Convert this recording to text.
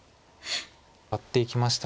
やっていきました。